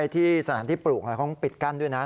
ที่สถานที่ปลูกเขาปิดกั้นด้วยนะ